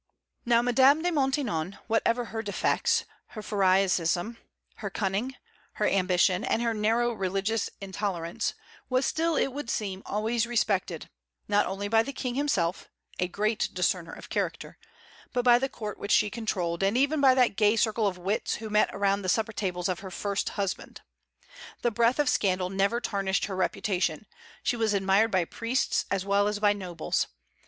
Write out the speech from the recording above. Now, Madame de Maintenon, whatever her defects, her pharisaism, her cunning, her ambition, and her narrow religious intolerance, was still, it would seem, always respected, not only by the King himself, a great discerner of character, but by the court which she controlled, and even by that gay circle of wits who met around the supper tables of her first husband. The breath of scandal never tarnished her reputation; she was admired by priests as well as by nobles.